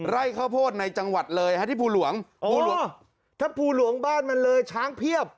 ไร่ข้าวโพดในจังหวัดเลยฮะที่ภูหลวงภูหลวงถ้าภูหลวงบ้านมันเลยช้างเพียบ